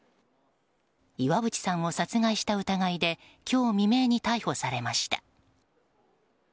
岩渕さんを殺害した疑いで今日未明に逮捕されました。